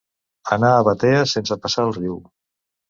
Anar a Batea sense passar el riu.